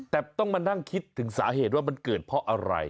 แต่ต้องมานั่งคิดถึงสาเหตุว่ามันเกิดเพราะอะไร